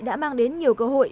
đã mang đến nhiều cơ hội